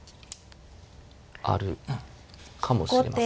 あるかもしれません。